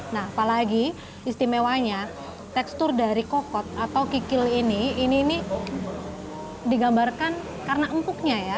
nah apalagi istimewanya tekstur dari kokot atau kikil ini ini digambarkan karena empuknya ya